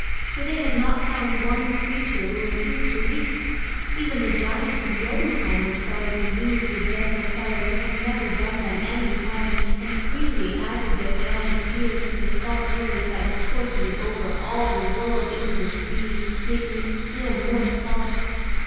For they had not found one creature who refused to weep. Even the giants of Jotunheim were sorry to lose the gentle fellow who had never done them any harm, and freely added their giant tears to the salt rivers that were coursing over all the world into the sea, making it still more salt.